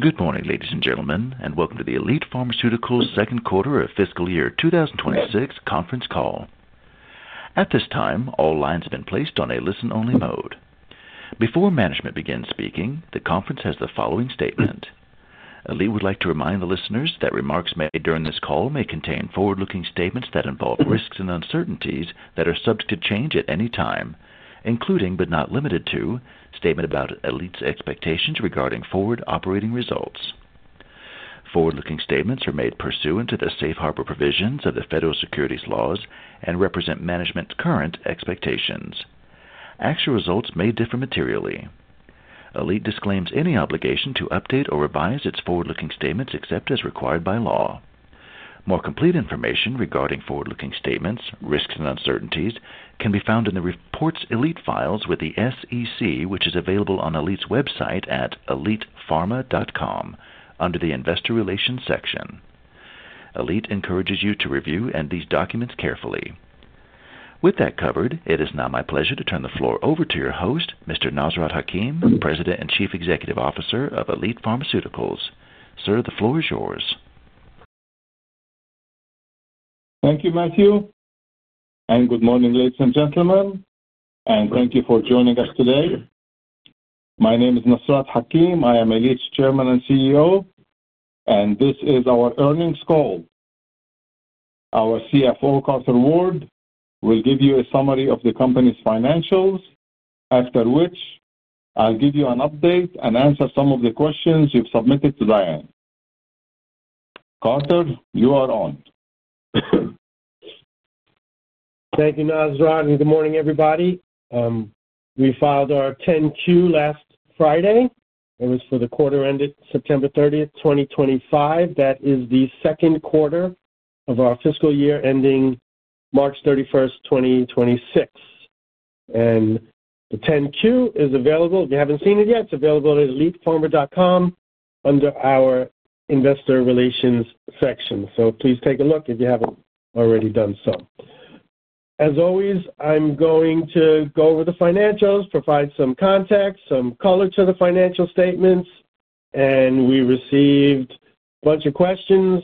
Good morning, ladies and gentlemen, and welcome to the Elite Pharmaceuticals second quarter of Fiscal Year 2026 Conference Call. At this time, all lines have been placed on a listen-only mode. Before management begins speaking, the conference has the following statement. Elite would like to remind the listeners that remarks made during this call may contain forward-looking statements that involve risks and uncertainties that are subject to change at any time, including but not limited to, statements about Elite's expectations regarding Forward-operating Results. Forward-looking statements are made pursuant to the safe harbor provisions of the Federal Securities Laws and represent management's current expectations. Actual results may differ materially. Elite disclaims any obligation to update or revise its forward-looking statements except as required by law. More complete information regarding Forward-looking statements, risks, and uncertainties can be found in the reports Elite files with the SEC, which is available on Elite's website at elitepharma.com under the investor relations section. Elite encourages you to review these documents carefully. With that covered, it is now my pleasure to turn the floor over to your host, Mr. Nasrat Hakim, President and Chief Executive Officer of Elite Pharmaceuticals. Sir, the floor is yours. Thank you, Matthew, and good morning, ladies and gentlemen, and thank you for joining us today. My name is Nasrat Hakim. I am Elite's Chairman and CEO, and this is our Earnings Call. Our CFO, Carter Ward, will give you a summary of the Company's Financials, after which I'll give you an update and answer some of the questions you've submitted to Diane. Carter, you are on. Thank you, Nasrat, and good morning, everybody. We filed our 10Q last Friday. It was for the quarter ended September 30th, 2025. That is the 2nd quarter of our fiscal year ending March 31st, 2026. The 10Q is available. If you haven't seen it yet, it's available at elitepharma.com under our investor relations section. Please take a look if you haven't already done so. As always, I'm going to go over the financials, provide some context, some color to the financial statements, and we received a bunch of questions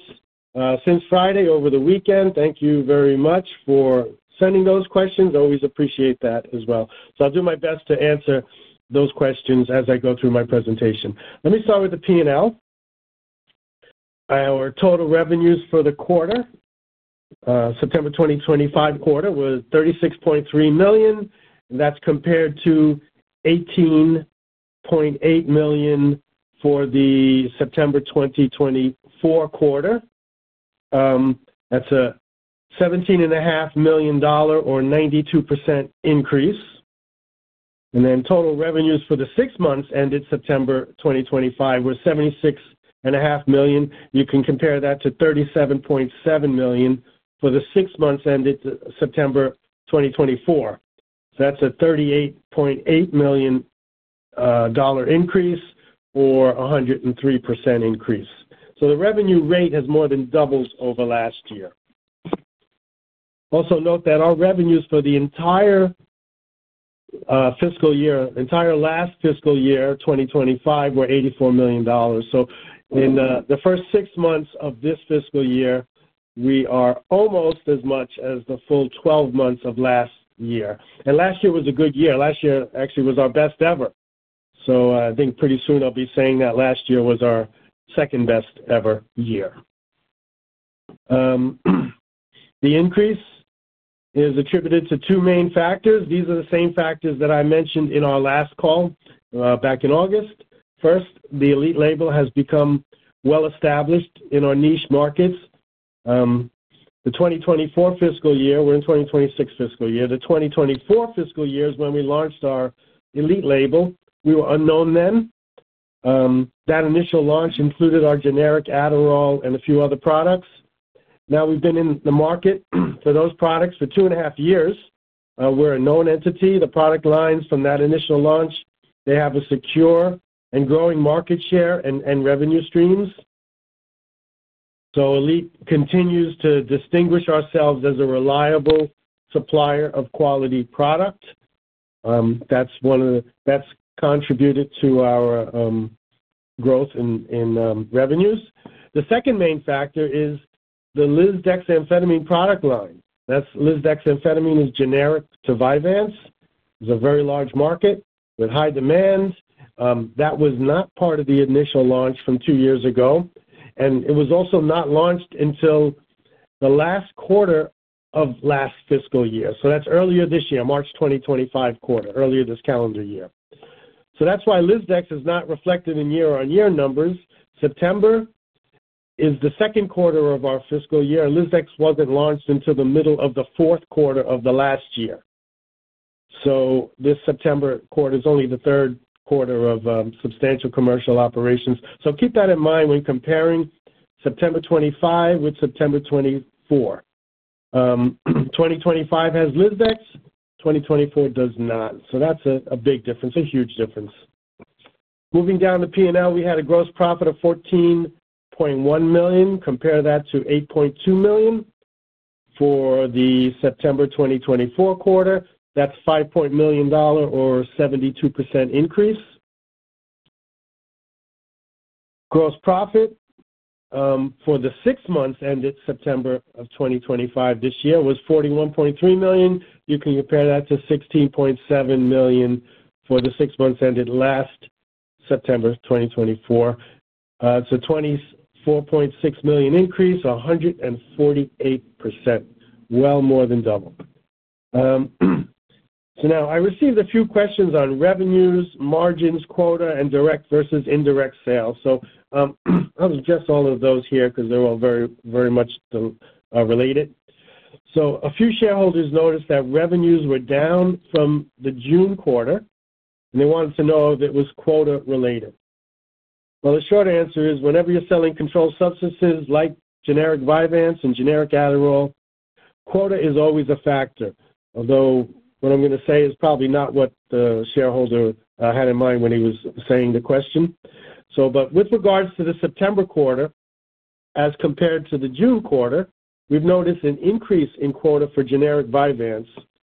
since Friday over the weekend. Thank you very much for sending those questions. Always appreciate that as well. I'll do my best to answer those questions as I go through my presentation. Let me start with the P&L. Our total revenues for the quarter, September 2025 quarter, was $36.3 million. That's compared to $18.8 million for the September 2024 quarter. That's a $17.5 million or 92% increase. Total revenues for the six months ended September 2025 were $76.5 million. You can compare that to $37.7 million for the six months ended September 2024. That's a $38.8 million increase or a 103% increase. The Revenue Rate has more than doubled over last year. Also note that our revenues for the entire fiscal year, entire last fiscal year 2025, were $84 million. In the 1st six months of this fiscal year, we are almost as much as the full 12 months of last year. Last year was a good year. Last year actually was our best ever. I think pretty soon I'll be saying that last year was our 2nd best ever year. The increase is attributed to two main factors. These are the same factors that I mentioned in our last call back in August. First, the Elite label has become well-established in our niche markets. The 2024 fiscal year—we are in the 2026 fiscal year—the 2024 fiscal year is when we launched our Elite label. We were unknown then. That initial launch included our generic adderall and a few other products. Now we have been in the market for those products for two and a half years. We are a known entity. The product lines from that initial launch, they have a secure and growing market share and revenue streams. Elite continues to distinguish ourselves as a reliable supplier of quality product. That has contributed to our growth in revenues. The second main factor is the lisdexamfetamine product line. That is, lisdexamfetamine is generic to Vyvanse. It is a very large market with high demand. That was not part of the initial launch from two years ago, and it was also not launched until the last quarter of last fiscal year. That is earlier this year, March 2025 quarter, earlier this calendar year. That is why lisdex is not reflected in year-on-year numbers. September is the 2nd quarter of our fiscal year. Lisdex was not launched until the middle of the 4th quarter of the last year. This September quarter is only the 3rd quarter of Substantial Commercial Operations. Keep that in mind when comparing September 2025 with September 2024. 2025 has lisdex. 2024 does not. That is a big difference, a huge difference. Moving down the P&L, we had a gross profit of $14.1 million. Compare that to $8.2 million for the September 2024 quarter. That is $5.0 million or a 72% increase. Gross profit for the six months ended September of 2025 this year was $41.3 million. You can compare that to $16.7 million for the six months ended last September 2024. It is a $24.6 million increase, 148%, well more than double. Now I received a few questions on revenues, margins, quota, and Direct versus Indirect Sales. I will address all of those here because they are all very, very much related. A few shareholders noticed that revenues were down from the June quarter, and they wanted to know if it was quota related. The short answer is whenever you are selling controlled substances like generic Vyvanse and generic adderall, quota is always a factor, although what I am going to say is probably not what the shareholder had in mind when he was saying the question. With regards to the September quarter, as compared to the June quarter, we've noticed an increase in quota for generic Vyvanse,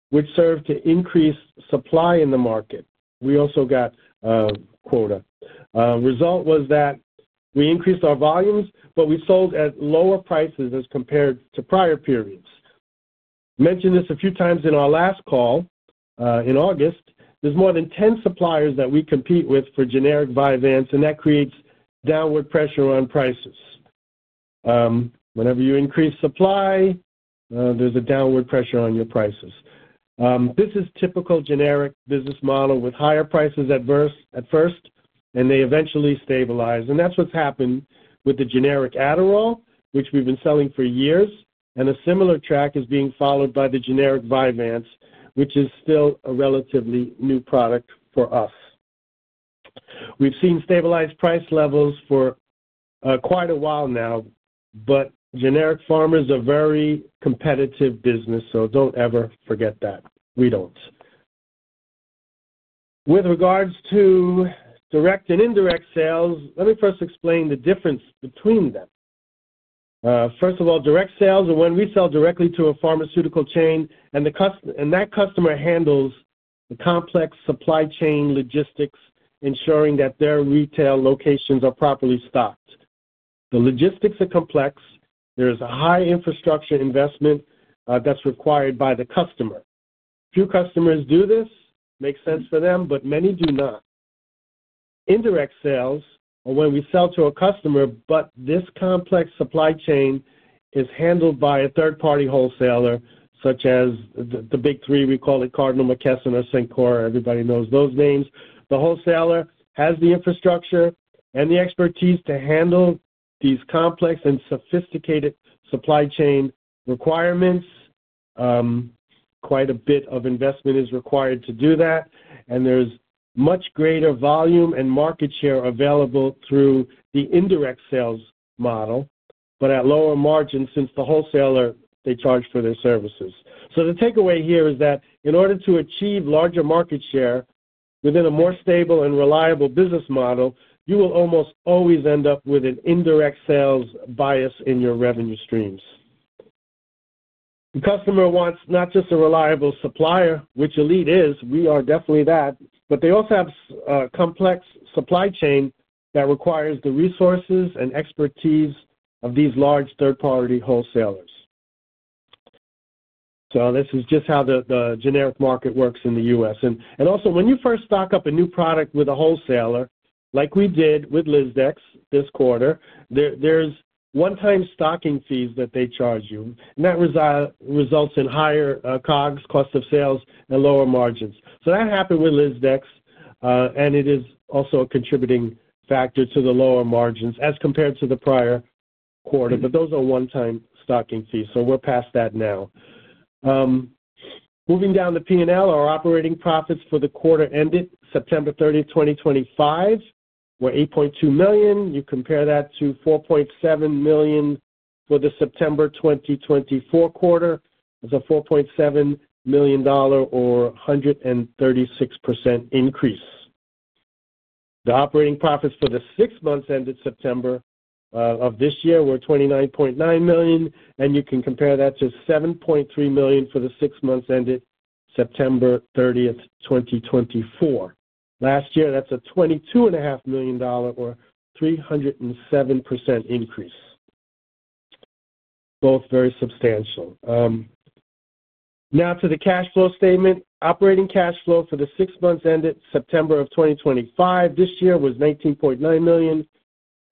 which served to increase supply in the market. We also got quota. The result was that we increased our volumes, but we sold at lower prices as compared to prior periods. I mentioned this a few times in our last call in August. There are more than 10 suppliers that we compete with for generic Vyvanse, and that creates downward pressure on prices. Whenever you increase supply, there is a downward pressure on your prices. This is a Typical Generic Business Model with higher prices at first, and they eventually stabilize. That is what has happened with the generic adderall, which we've been selling for years, and a similar track is being followed by the generic Vyvanse, which is still a relatively new product for us. We've seen stabilized price levels for quite a while now, but generic pharma is a very competitive business, so don't ever forget that. We don't. With regards to direct and Indirect Sales, let me first explain the difference between them. First of all, Direct Sales are when we sell directly to a Pharmaceutical Chain, and that customer handles the Complex Supply Chain Logistics, ensuring that their retail locations are properly stocked. The logistics are complex. There is a High Infrastructure Investment that's required by the customer. Few customers do this. Makes sense for them, but many do not. Indirect Sales are when we sell to a customer, but this complex supply chain is handled by a 3rd-party wholesaler, such as the big three. We call it Cardinal, McKesson, or Cencora. Everybody knows those names. The wholesaler has the infrastructure and the expertise to handle these complex and sophisticated supply chain requirements. Quite a bit of investment is required to do that, and there's much greater volume and market share available through the Indirect Sales Model, but at lower margins since the wholesaler, they charge for their services. The takeaway here is that in order to achieve larger market share within a more stable and reliable business model, you will almost always end up with an Indirect Sales bias in your Revenue Streams. The customer wants not just a reliable supplier, which Elite is. We are definitely that, but they also have a Complex Supply Chain that requires the resources and expertise of these large 3rd-party wholesalers. This is just how the generic market works in the U.S. Also, when you first stock up a new product with a wholesaler, like we did with lisdex this quarter, there are one-time stocking fees that they charge you, and that results in higher COGS, Cost of Sales, and Lower Margins. That happened with lisdex, and it is also a contributing factor to the lower margins as compared to the prior quarter, but those are one-time stocking fees, so we are past that now. Moving down the P&L, our Operating Profits for the quarter ended September 30, 2025, were $8.2 million. You compare that to $4.7 million for the September 2024 quarter. It is a $4.7 million or 136% increase. The Operating Profits for the six months ended September of this year were $29.9 million, and you can compare that to $7.3 million for the six months ended September 30, 2024. Last year, that is a $22.5 million or a 307% increase. Both very substantial. Now to the Cash Flow Statement. Operating Cash Flow for the six months ended September of 2025 this year was $19.9 million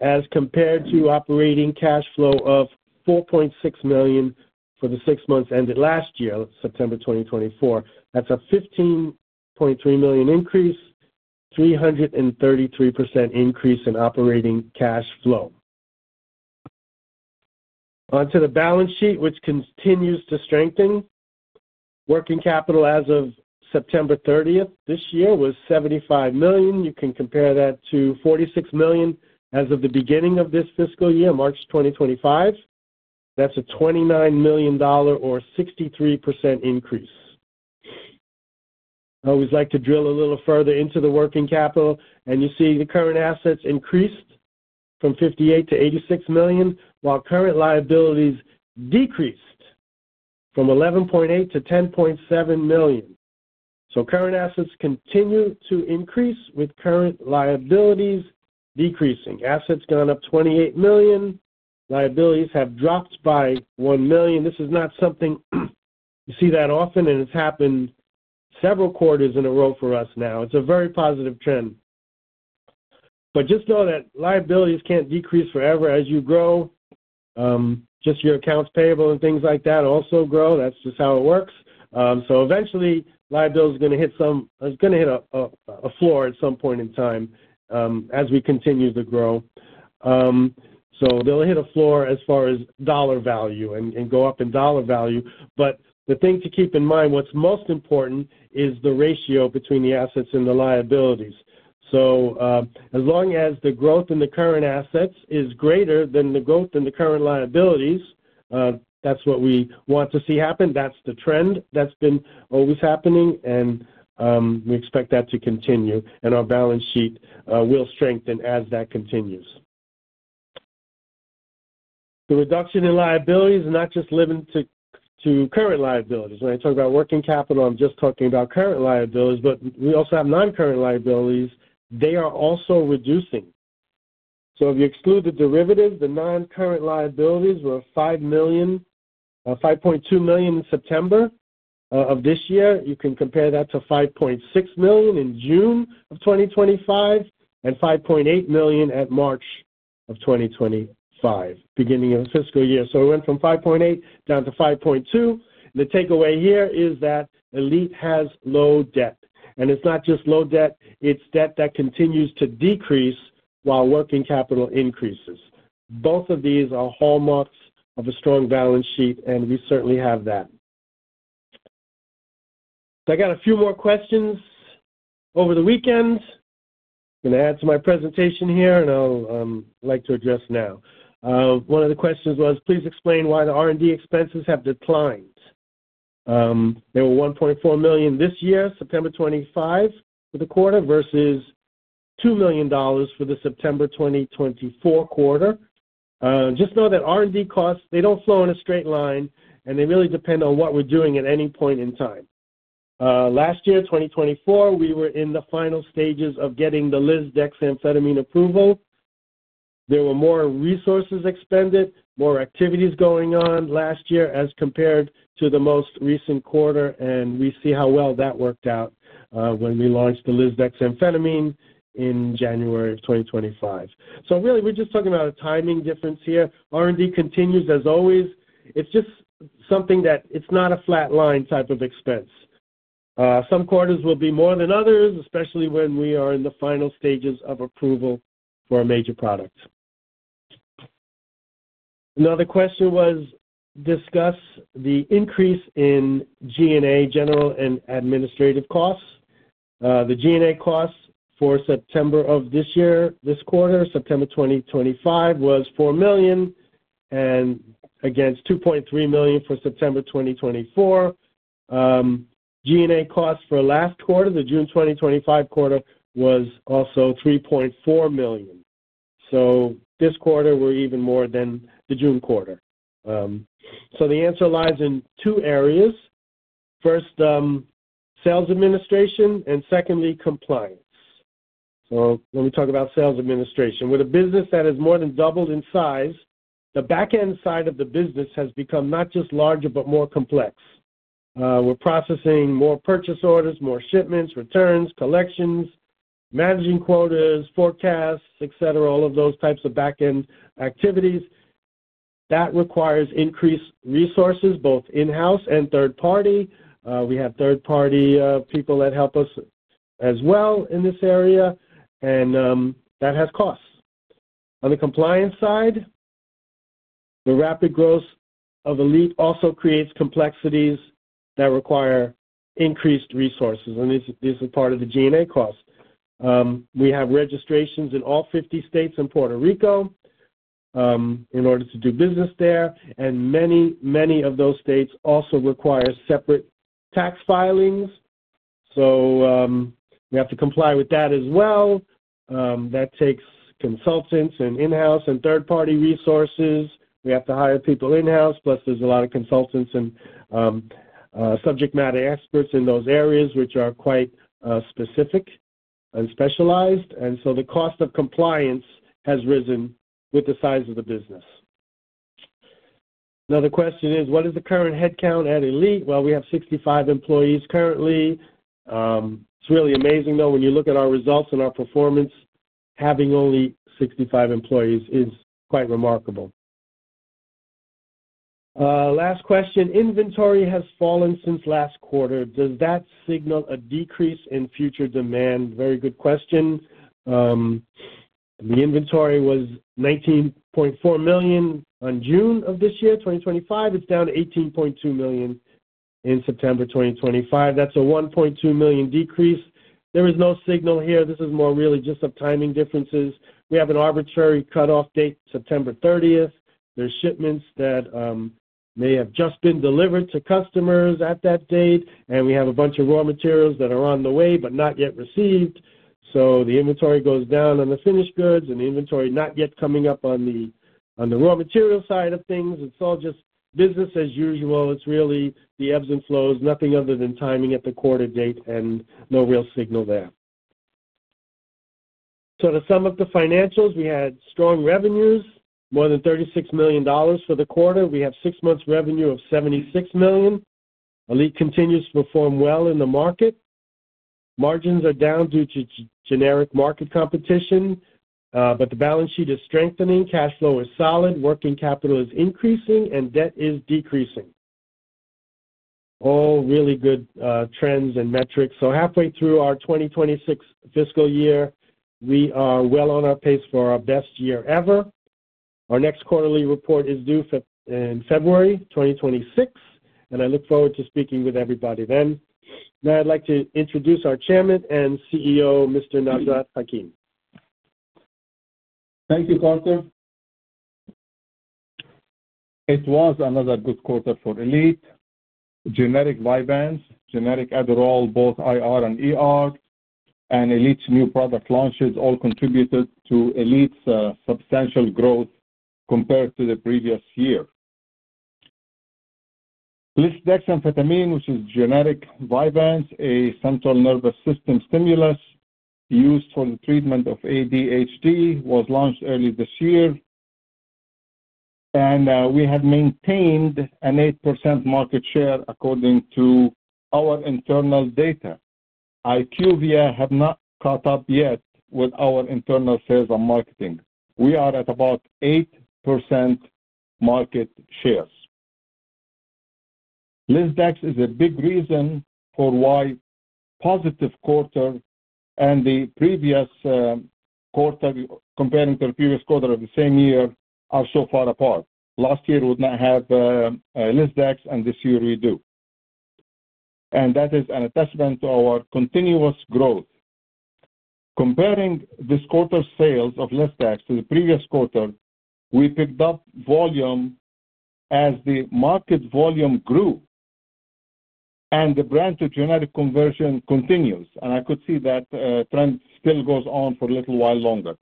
as compared to Operating Cash Flow of $4.6 million for the six months ended last year, September 2024. That's a $15.3 million increase, 333% increase in Operating Cash Flow. Onto the balance sheet, which continues to strengthen. Working capital as of September 30th this year was $75 million. You can compare that to $46 million as of the beginning of this fiscal year, March 2025. That's a $29 million or 63% increase. I always like to drill a little further into the working capital, and you see the Current Assets increased from $58-$86 million, while Current Liabilities decreased from $11.8-$10.7 million. So Current Assets continue to increase with Current Liabilities decreasing. Assets gone up $28 million. Liabilities have dropped by $1 million. This is not something you see that often, and it's happened several quarters in a row for us now. It's a very positive trend. Just know that liabilities can't decrease forever as you grow. Just your Accounts Payable and things like that also grow. That's just how it works. Eventually, liabilities are going to hit some—it's going to hit a floor at some point in time as we continue to grow. They'll hit a floor as far as dollar value and go up in dollar value. The thing to keep in mind, what's most important is the ratio between the Assets and the Liabilities. As long as the growth in the Current Assets is greater than the growth in the Current Liabilities, that's what we want to see happen. That's the trend that's been always happening, and we expect that to continue. Our Balance Sheet will strengthen as that continues. The reduction in liabilities is not just limited to Current Liabilities. When I talk about Working Capital, I'm just talking about Current Liabilities, but we also have Non-current Liabilities. They are also reducing. If you exclude the derivatives, the Non-current Liabilities were $5.2 million in September of this year. You can compare that to $5.6 million in June of 2025 and $5.8 million at March of 2025, beginning of the fiscal year. We went from $5.8 million down to $5.2 million. The takeaway here is that Elite has low debt. It's not just low debt. It's debt that continues to decrease while working capital increases. Both of these are hallmarks of a strong Balance Sheet, and we certainly have that. I got a few more questions over the weekend. I'm going to add to my presentation here, and I'd like to address now. One of the questions was, "Please explain why the R&D expenses have declined." They were $1.4 million this year, September 25, for the quarter versus $2 million for the September 2024 quarter. Just know that R&D costs, they don't flow in a straight line, and they really depend on what we're doing at any point in time. Last year, 2024, we were in the final stages of getting the lisdexamfetamine approval. There were more resources expended, more activities going on last year as compared to the most recent quarter, and we see how well that worked out when we launched the lisdexamfetamine in January of 2025. We're just talking about a timing difference here. R&D continues as always. It's just something that it's not a flat line type of expense. Some quarters will be more than others, especially when we are in the final stages of approval for a major product. Another question was, "Discuss the increase in G&A, general and administrative costs." The G&A costs for September of this year, this quarter, September 2025, was $4 million against $2.3 million for September 2024. G&A costs for last quarter, the June 2025 quarter, was also $3.4 million. This quarter, we're even more than the June quarter. The answer lies in two areas. First, Sales Administration, and secondly, Compliance. Let me talk about Sales Administration. With a business that has more than doubled in size, the backend side of the business has become not just larger, but more complex. We're processing more purchase orders, more shipments, returns, collections, managing quotas, forecasts, et cetera., all of those types of backend activities. That requires increased resources, both in-house and 3rd-party. We have 3rd-party people that help us as well in this area, and that has costs. On the compliance side, the rapid growth of Elite also creates complexities that require increased resources, and this is part of the G&A costs. We have registrations in all 50 states in Puerto Rico in order to do business there, and many, many of those states also require separate tax filings. We have to comply with that as well. That takes consultants and in-house and 3rd-party resources. We have to hire people in-house, plus there's a lot of Consultants and Subject Matter Experts in those areas, which are quite specific and specialized. The cost of compliance has risen with the size of the business. Another question is, "What is the current headcount at Elite?" We have 65 employees currently. It's really amazing, though, when you look at our results and our performance, having only 65 employees is quite remarkable. Last question. Inventory has fallen since last quarter. Does that signal a decrease in future demand? Very good question. The inventory was $19.4 million in June of this year, 2025. It's down to $18.2 million in September 2025. That's a $1.2 million decrease. There is no signal here. This is more really just of timing differences. We have an arbitrary cutoff date, September 30. There are shipments that may have just been delivered to customers at that date, and we have a bunch of raw materials that are on the way but not yet received. The inventory goes down on the finished goods, and the inventory not yet coming up on the raw material side of things. It is all just business as usual. It is really the Ebbs and Flows, nothing other than timing at the quarter date and no real signal there. To sum up the financials, we had strong revenues, more than $36 million for the quarter. We have six months' revenue of $76 million. Elite continues to perform well in the market. Margins are down due to Generic Market Competition, but the Balance Sheet is strengthening. Cash Flow is solid. Working Capital is increasing, and debt is decreasing. All really good trends and metrics. Halfway through our 2026 fiscal year, we are well on our pace for our best year ever. Our next quarterly report is due in February 2026, and I look forward to speaking with everybody then. Now I'd like to introduce our Chairman and CEO, Mr. Nasrat Hakim. Thank you, Carter. It was another good quarter for Elite. Generic Vyvanse, generic adderall, both IR and Elite's new product launches all contributed to Elite's substantial growth compared to the previous year. lisdexamfetamine, which is generic Vyvanse, a Central Nervous System Stimulant used for the treatment of ADHD, was launched early this year, and we have maintained an 8% market share according to our internal data. IQVIA have not caught up yet with our Internal Sales and Marketing. We are at about 8% market share. lisdex is a big reason for why positive quarter and the previous quarter, comparing to the previous quarter of the same year, are so far apart. Last year we did not have lisdex, and this year we do. That is an attestment to our continuous growth. Comparing this quarter's sales of lisdex to the previous quarter, we picked up volume as the market volume grew, and the brand-to-generic conversion continues. I could see that trend still goes on for a little while longer.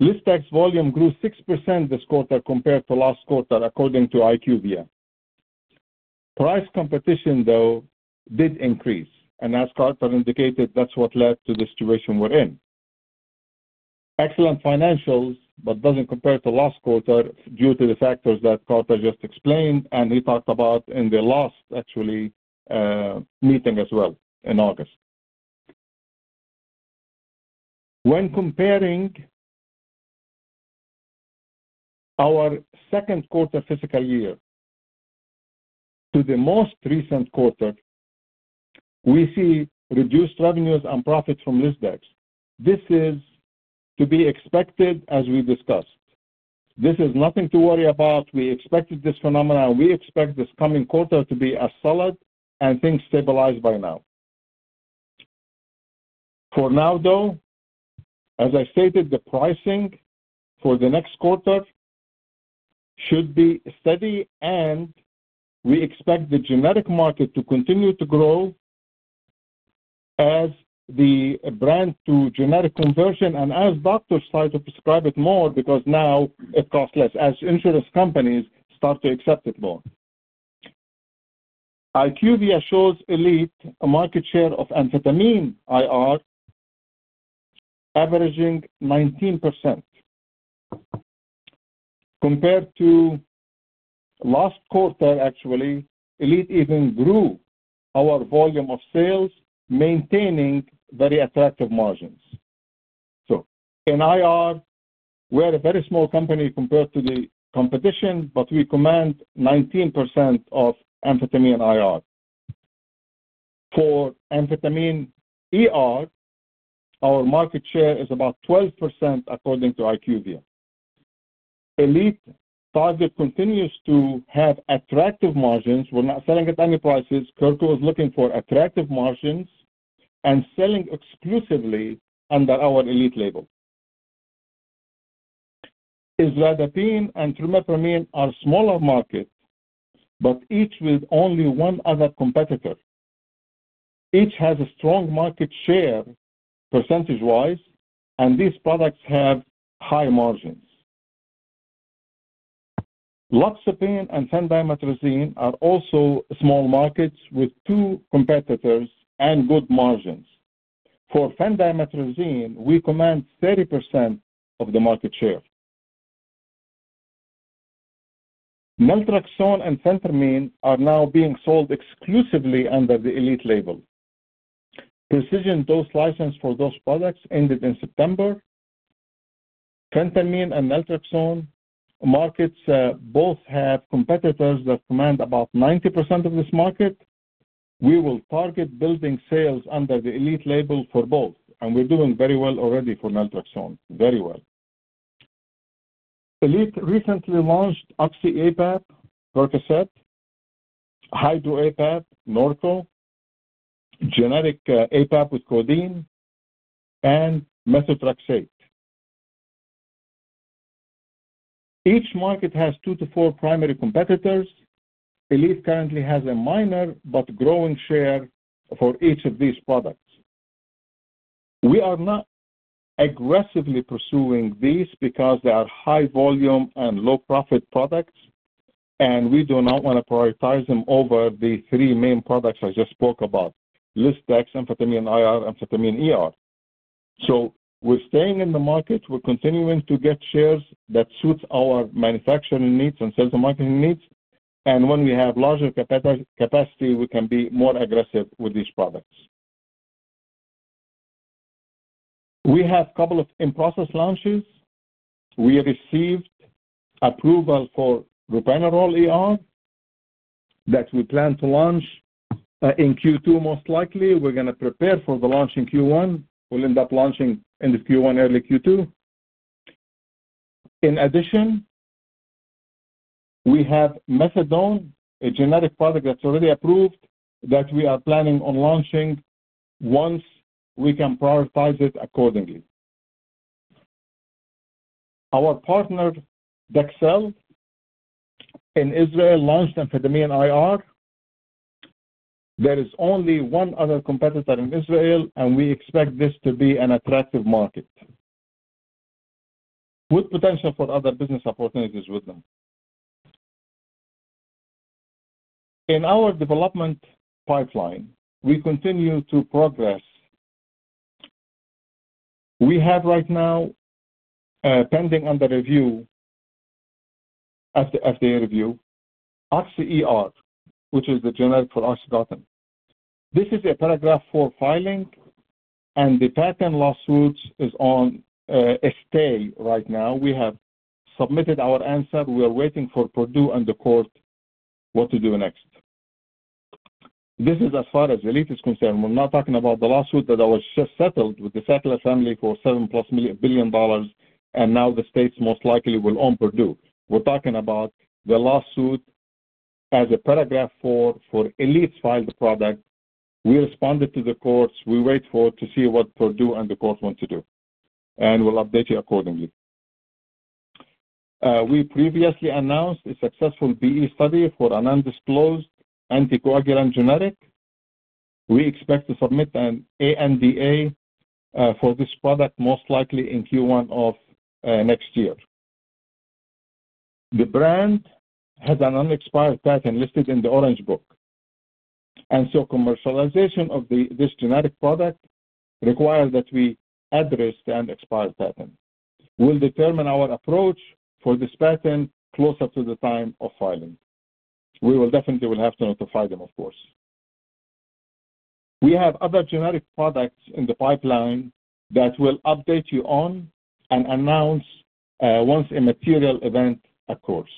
lisdex volume grew 6% this quarter compared to last quarter according to IQVIA. Price competition, though, did increase, and as Carter indicated, that's what led to the situation we're in. Excellent financials, but does not compare to last quarter due to the factors that Carter just explained and he talked about in the last, actually, meeting as well in August. When comparing our 2nd quarter fiscal year to the most recent quarter, we see reduced revenues and profits from lisdex. This is to be expected, as we discussed. This is nothing to worry about. We expected this phenomenon, and we expect this coming quarter to be as solid and things stabilize by now. For now, though, as I stated, the pricing for the next quarter should be steady, and we expect the generic market to continue to grow as the brand-to-generic conversion and as doctors start to prescribe it more because now it costs less, as insurance companies start to accept it more. IQVIA shows Elite a market share of amphetamine IR, averaging 19%. Compared to last quarter, actually, Elite even grew our volume of sales, maintaining very attractive margins. In IR, we're a very small company compared to the competition, but we command 19% of amphetamine IR. For amphetamine AR, our market share is about 12% according to IQVIA. Elite target continues to have attractive margins. We're not selling at any prices. Carter was looking for attractive margins and selling exclusively under our Elite label. isradipine and trimipramine are smaller markets, but each with only one other competitor. Each has a strong market share percentage-wise, and these products have high margins. Loxapine and Phendimetrazine are also small markets with two competitors and good margins. For Phendimetrazine, we command 30% of the market share. naltrexone and Phentermine are now being sold exclusively under the Elite label. Precision dose license for those products ended in September. Phentermine and naltrexone, markets both have competitors that command about 90% of this market. We will target building sales under the Elite label for both, and we're doing very well already for naltrexone, very well. Elite recently launched oxycodone/acetaminophen, Percocet, hydrocodone/acetaminophen, Norco, generic acetaminophen/codeine, and Methotrexate. Each market has two to four primary competitors. Elite currently has a minor but growing share for each of these products. We are not aggressively pursuing these because they are high volume and low profit products, and we do not want to prioritize them over the three main products I just spoke about: lisdexamfetamine, amphetamine IR, amphetamine. We are staying in the market. We are continuing to get shares that suit our manufacturing needs and sales and marketing needs. When we have larger capacity, we can be more aggressive with these products. We have a couple of In-process Launches. We received approval for ropinirole AR that we plan to launch in Q2 most likely. We are going to prepare for the launch in Q1. We will end up launching in Q1, early Q2. In addition, we have methadone, a generic product that is already approved that we are planning on launching once we can prioritize it accordingly. Our partner, Dexcel Pharma, in Israel launched amphetamine IR. There is only one other competitor in Israel, and we expect this to be an attractive market with potential for other business opportunities with them. In our Development Pipeline, we continue to progress. We have right now pending under FDA review, Oxy, which is the generic for OxyContin. This is a Paragraph IV filing, and the patent lawsuit is on stay right now. We have submitted our answer. We are waiting for Purdue and the court to decide what to do next. This is as far as Elite is concerned. We're not talking about the lawsuit that was just settled with the Sackler family for $7 billion+, and now the states most likely will own Purdue. We're talking about the lawsuit as a Paragraph IV for Elite's filed product. We responded to the courts. We wait to see what Purdue and the court want to do, and we'll update you accordingly. We previously announced a successful BE study for an undisclosed anticoagulant generic. We expect to submit an ANDA for this product most likely in Q1 of next year. The brand has an unexpired patent listed in the Orange Book, and so commercialization of this generic product requires that we address the unexpired patent. We'll determine our approach for this patent closer to the time of filing. We will definitely have to notify them, of course. We have other generic products in the pipeline that we'll update you on and announce once a material event occurs.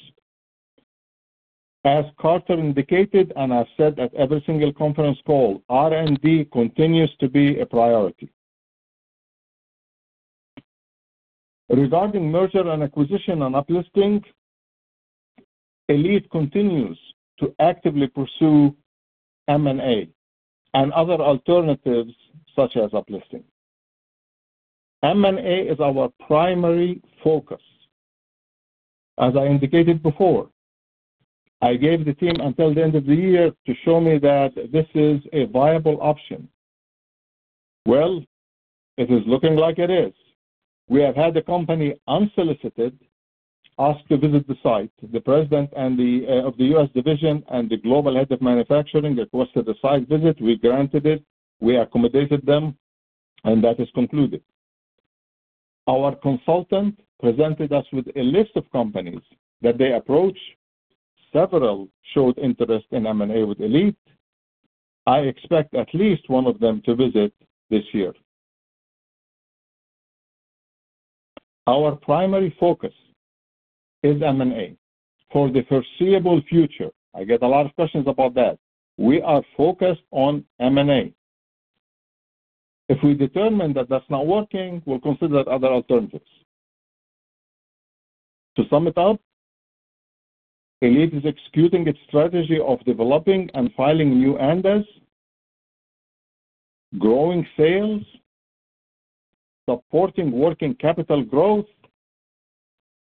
As Carter indicated and I've said at every single conference call, R&D continues to be a priority. Regarding Merger and Acquisition and uplisting, Elite continues to actively pursue M&A and other alternatives such as uplisting. M&A is our primary focus. As I indicated before, I gave the team until the end of the year to show me that this is a viable option. It is looking like it is. We have had the company unsolicited ask to visit the site. The President of the U.S. division and the Global Head of Manufacturing requested a site visit. We granted it. We accommodated them, and that is concluded. Our consultant presented us with a list of companies that they approached. Several showed interest in M&A with Elite. I expect at least one of them to visit this year. Our primary focus is M&A for the foreseeable future. I get a lot of questions about that. We are focused on M&A. If we determine that that's not working, we'll consider other alternatives. To sum it up, Elite is executing its strategy of developing and filing new ANDAs, Growing Sales, Supporting Working Capital Growth,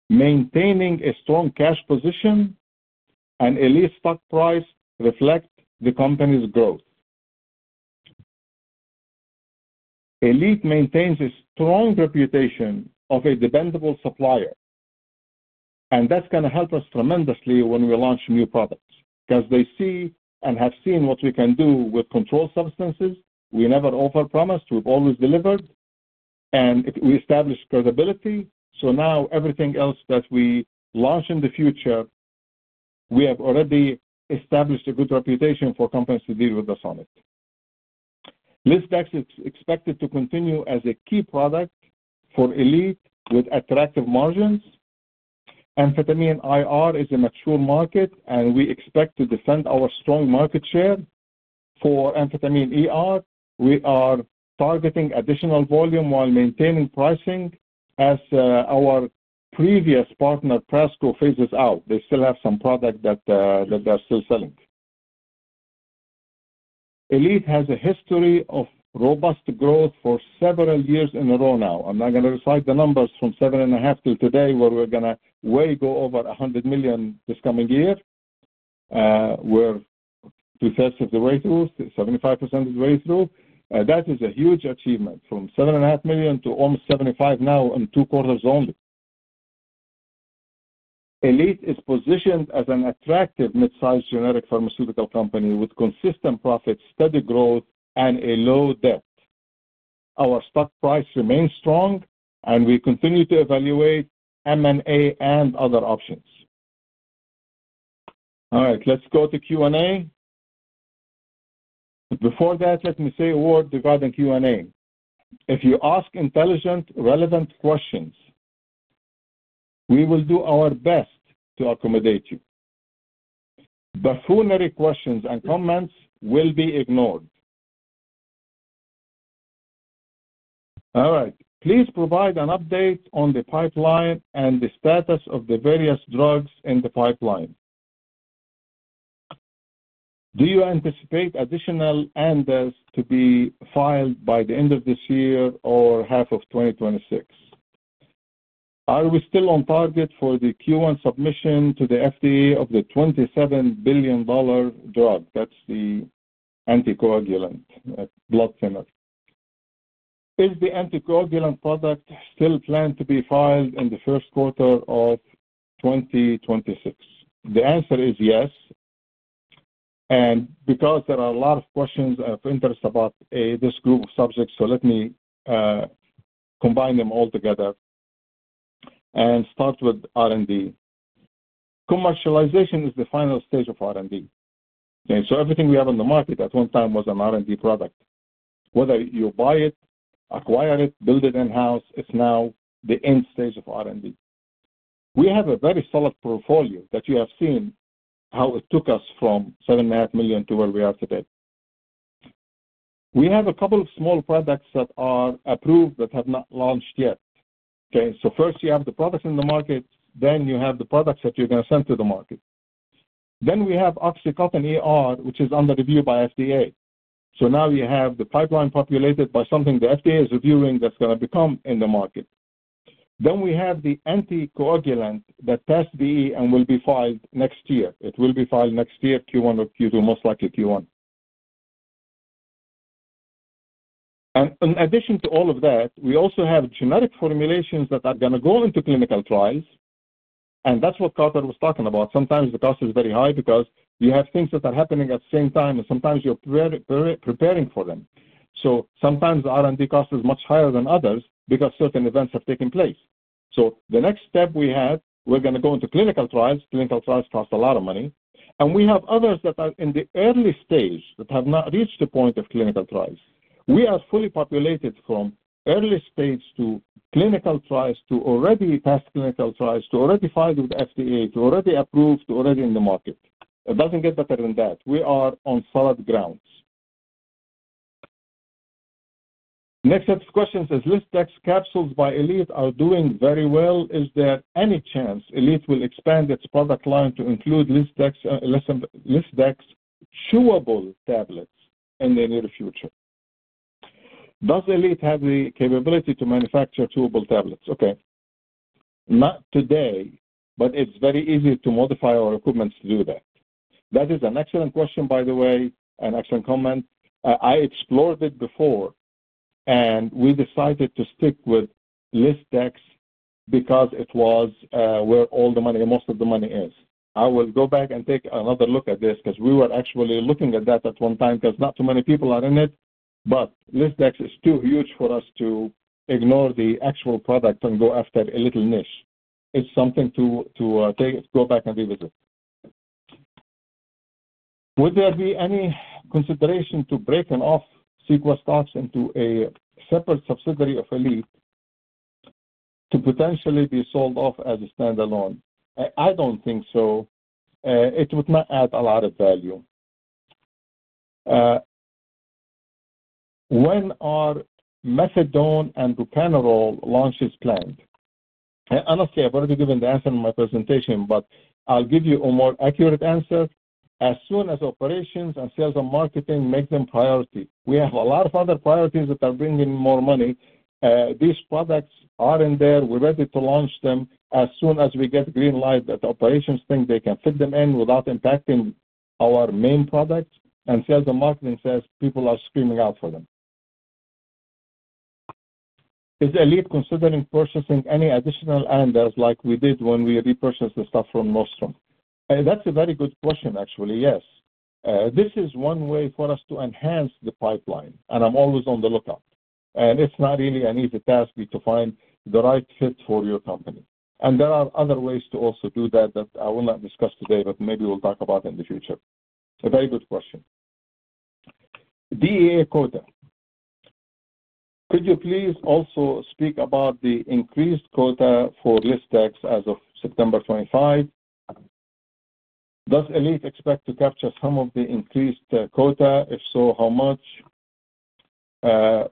maintaining a Strong Cash Position, and Elite's stock price reflects the company's growth. Elite maintains a strong reputation of a dependable supplier, and that is going to help us tremendously when we launch new products because they see and have seen what we can do with controlled substances. We never over-promised. We have always delivered, and we established credibility. Now everything else that we launch in the future, we have already established a good reputation for companies to deal with us on it. lisdex is expected to continue as a key product for Elite with attractive margins. amphetamine IR is a mature market, and we expect to defend our strong market share. For amphetamine AR we are targeting additional volume while maintaining pricing as our previous partner, Prescript, phases out. They still have some product that they're still selling. Elite has a history of robust growth for several years in a row now. I'm not going to recite the numbers from $7.5 million till today where we're going to way go over $100 million this coming year. We're 2/3 of the way through, 75% of the way through. That is a huge achievement from $7.5 million to almost $75 million now in two quarters only. Elite is positioned as an attractive mid-sized generic Pharmaceutical Company with consistent profits, steady growth, and a low debt. Our stock price remains strong, and we continue to evaluate M&A and other options. All right, let's go to Q&A. Before that, let me say a word regarding Q&A. If you ask intelligent, relevant questions, we will do our best to accommodate you. Buffoonery questions and comments will be ignored. All right. Please provide an update on the pipeline and the status of the various drugs in the pipeline. Do you anticipate additional ANDAs to be filed by the end of this year or half of 2026? Are we still on target for the Q1 submission to the FDA of the $27 billion drug? That's the anticoagulant, blood thinner. Is the anticoagulant product still planned to be filed in the 1st quarter of 2026? The answer is yes. Because there are a lot of questions of interest about this group of subjects, let me combine them all together and start with R&D. Commercialization is the final stage of R&D. Everything we have on the market at one time was an R&D product. Whether you buy it, acquire it, build it in-house, it's now the end stage of R&D. We have a very solid portfolio that you have seen how it took us from $7.5 million to where we are today. We have a couple of small products that are approved that have not launched yet. First, you have the products in the market. You have the products that you are going to send to the market. We have Oxycodone ER which is under review by the FDA. Now you have the pipeline populated by something the FDA is reviewing that is going to become in the market. We have the undisclosed anticoagulant that passed the BE study and will be filed next year. It will be filed next year, Q1 or Q2, most likely Q1. In addition to all of that, we also have generic formulations that are going to go into clinical trials, and that is what Carter was talking about. Sometimes the cost is very high because you have things that are happening at the same time, and sometimes you're preparing for them. Sometimes the R&D cost is much higher than others because certain events have taken place. The next step we have, we're going to go into clinical trials. Clinical trials cost a lot of money. We have others that are in the early stage that have not reached the point of clinical trials. We are fully populated from early stage to clinical trials to already past clinical trials to already filed with the FDA to already approved to already in the market. It doesn't get better than that. We are on solid grounds. Next set of questions is lisdex capsules by Elite are doing very well. Is there any chance Elite will expand its product line to include lisdex chewable tablets in the near future? Does Elite have the capability to manufacture chewable tablets? Okay. Not today, but it's very easy to modify our equipment to do that. That is an excellent question, by the way, an excellent comment. I explored it before, and we decided to stick with lisdex because it was where all the money, most of the money is. I will go back and take another look at this because we were actually looking at that at one time because not too many people are in it. lisdex is too huge for us to ignore the actual product and go after a little niche. It's something to go back and revisit. Would there be any consideration to breaking off Sequa stocks into a separate subsidiary of Elite to potentially be sold off as a standalone? I don't think so. It would not add a lot of value. When are methadone and ropinirole launches planned? Honestly, I've already given the answer in my presentation, but I'll give you a more accurate answer. As soon as operations and sales and marketing make them priority, we have a lot of other priorities that are bringing more money. These products are in there. We're ready to launch them as soon as we get green light that operations think they can fit them in without impacting our main product. Sales and marketing says people are screaming out for them. Is Elite considering purchasing any additional ANDAs like we did when we repurchased the stuff from Nostrum? That's a very good question, actually. Yes. This is one way for us to enhance the pipeline, and I'm always on the lookout. It's not really an easy task to find the right fit for your company. There are other ways to also do that that I will not discuss today, but maybe we'll talk about in the future. A very good question. DEA quota. Could you please also speak about the increased quota for lisdex as of September 25? Does Elite expect to capture some of the increased quota? If so, how much?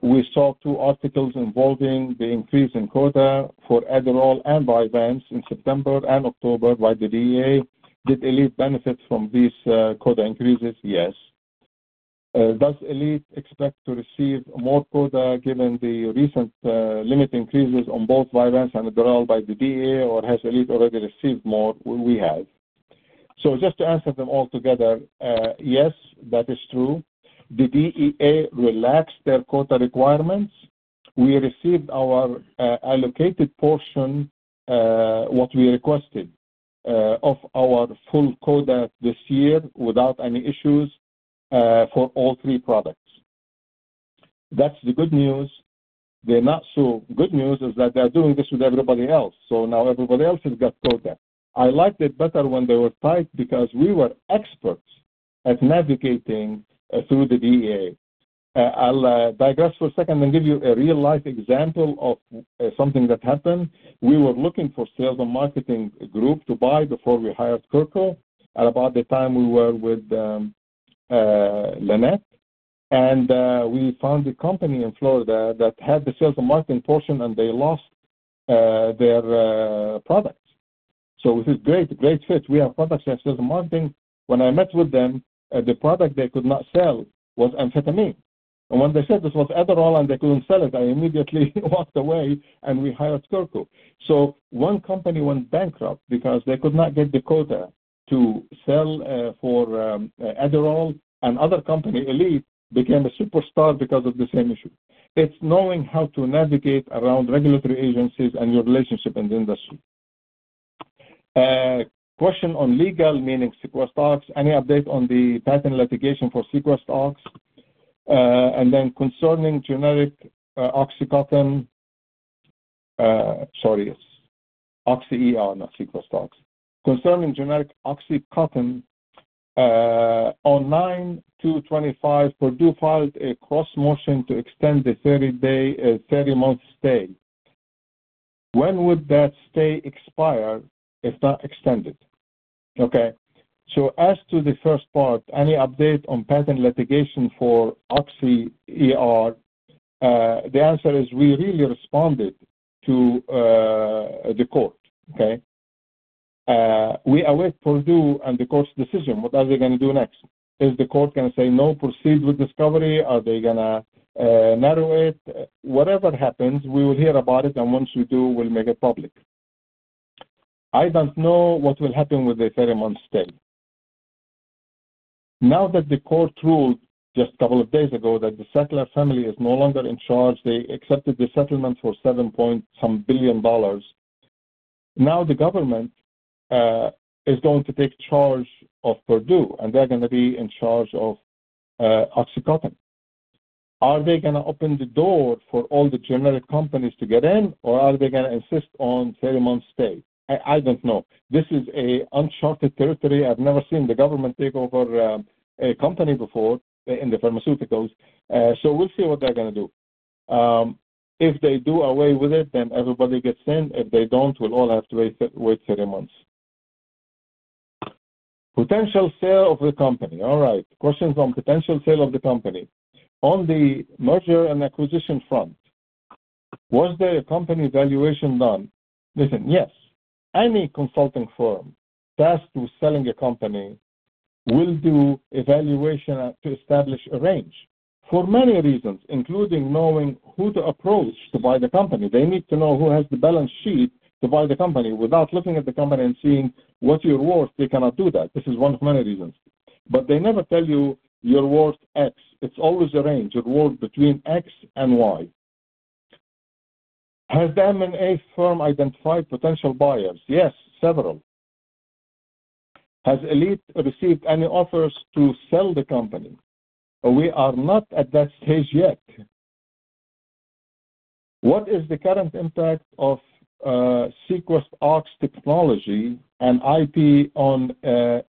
We saw two articles involving the increase in quota for adderall and Vyvanse in September and October by the DEA. Did Elite benefit from these quota increases? Yes. Does Elite expect to receive more quota given the recent limit increases on both Vyvanse and adderall by the DEA, or has Elite already received more? We have. Just to answer them all together, yes, that is true. The DEA relaxed their quota requirements. We received our allocated portion, what we requested, of our full quota this year without any issues for all three products. That's the good news. The not-so-good news is that they're doing this with everybody else. So now everybody else has got quota. I liked it better when they were tight because we were experts at navigating through the DEA. I'll digress for a second and give you a real-life example of something that happened. We were looking for Sales and Marketing group to buy before we hired Currax, at about the time we were with Lynette. And we found a company in Florida that had the sales and marketing portion, and they lost their products. So it was a great, great fit. We have products in Sales and Marketing. When I met with them, the product they could not sell was amphetamine. When they said this was adderall and they could not sell it, I immediately walked away and we hired Currax. One company went bankrupt because they could not get the quota to sell for adderall, and another company, Elite, became a superstar because of the same issue. It is knowing how to navigate around regulatory agencies and your relationship in the industry. Question on legal meaning Sequa stocks. Any update on the patent litigation for Sequa stocks? Concerning generic OxyContin—sorry, it is Oxycodone ER, not Sequa stocks. Concerning generic OxyContin, on September 2, 2025, Purdue filed a cross-motion to extend the 30-month stay. When would that stay expire if not extended? As to the 1st part, any update on patent litigation for Oxycodone ER? The answer is we already responded to the court. We await Purdue and the court's decision. What are they going to do next? Is the court going to say, "No, proceed with discovery"? Are they going to narrow it? Whatever happens, we will hear about it, and once we do, we'll make it public. I don't know what will happen with the 30-month stay. Now that the court ruled just a couple of days ago that the Sackler family is no longer in charge, they accepted the settlement for $7 billion-some. Now the government is going to take charge of Purdue, and they're going to be in charge of OxyContin. Are they going to open the door for all the generic companies to get in, or are they going to insist on 30-month stay? I don't know. This is uncharted territory. I've never seen the government take over a company before in the pharmaceuticals. We will see what they're going to do. If they do away with it, then everybody gets in. If they do not, we will all have to wait three months. Potential Sale of the company. All right. Questions on potential sale of the company. On the Merger and Acquisition front, was there a company valuation done? Listen, yes. Any consulting firm tasked with selling a company will do a valuation to establish a range for many reasons, including knowing who to approach to buy the company. They need to know who has the balance sheet to buy the company. Without looking at the company and seeing what you are worth, they cannot do that. This is one of many reasons. They never tell you you are worth X. It is always a range, you are worth between X and Y. Has the M&A firm identified potential buyers? Yes, several. Has Elite received any offers to sell the company? We are not at that stage yet. What is the current impact of Sequa Stocks technology and IP on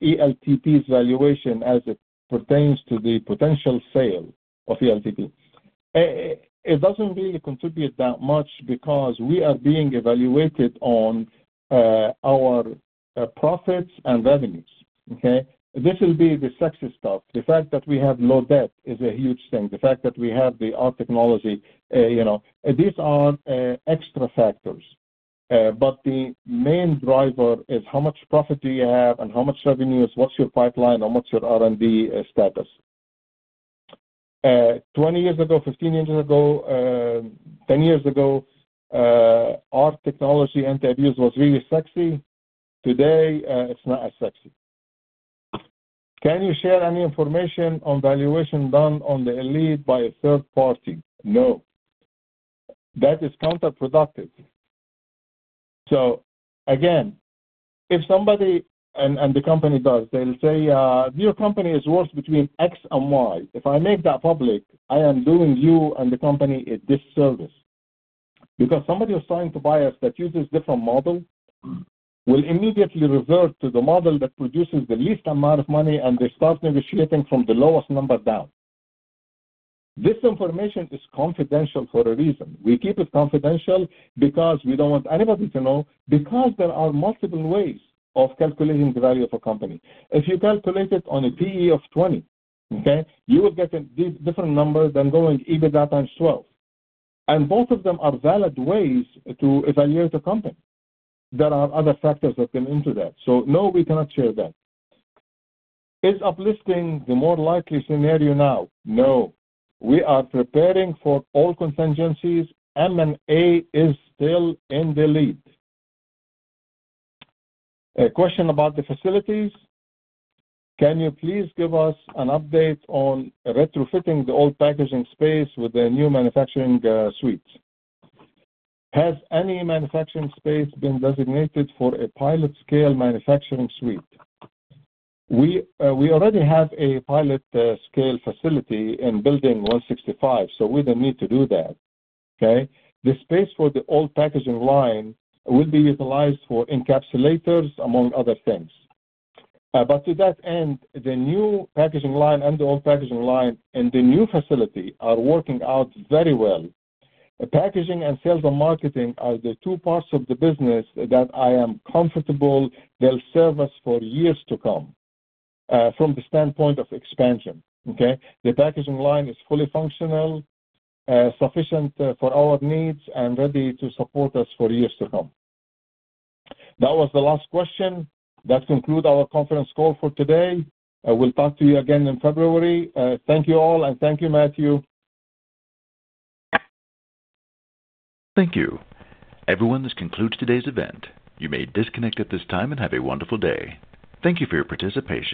ELTP's valuation as it pertains to the potential sale of ELTP? It doesn't really contribute that much because we are being evaluated on our profits and revenues. Okay? This will be the sexy stuff. The fact that we have low debt is a huge thing. The fact that we have the Odd Technology. These are extra factors. But the main driver is how much profit do you have and how much revenues, what's your pipeline, and what's your R&D status? 20 years ago, 15 years ago, 10 years ago, our technology anti-abuse was really sexy. Today, it's not as sexy. Can you share any information on valuation done on the Elite by a 3rd party? No. That is counterproductive. Again, if somebody—and the company does—they'll say, "Your company is worth between X and Y." If I make that public, I am doing you and the company a disservice. Because somebody who's trying to buy us that uses a different model will immediately revert to the model that produces the least amount of money, and they start negotiating from the lowest number down. This information is confidential for a reason. We keep it confidential because we do not want anybody to know, because there are multiple ways of calculating the value of a company. If you calculate it on a P.E. of 20, you will get a different number than going EBITDA times 12. Both of them are valid ways to evaluate a company. There are other factors that come into that. No, we cannot share that. Is uplifting the more likely scenario now? No. We are preparing for all contingencies. M&A is still in the lead. A question about the facilities. Can you please give us an update on retrofitting the Old Packaging Space with the New Manufacturing Suites? Has any manufacturing space been designated for a Pilot-scale Manufacturing Suite? We already have a Pilot-scale Facility in Building 165, so we do not need to do that. Okay? The space for the Old Packaging Line will be utilized for Encapsulators, among other things. To that end, the New Packaging Line and the Old Packaging Line in the new facility are working out very well. Packaging and sales and marketing are the two parts of the business that I am comfortable they will serve us for years to come from the standpoint of expansion. Okay? The packaging line is fully functional, sufficient for our needs, and ready to support us for years to come. That was the last question. That concludes our conference call for today. We'll talk to you again in February. Thank you all, and thank you, Matthew. Thank you. Everyone, this concludes today's event. You may disconnect at this time and have a wonderful day. Thank you for your participation.